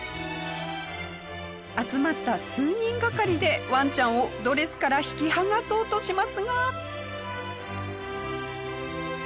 集まった数人がかりでワンちゃんをドレスから引き剥がそうとしますが。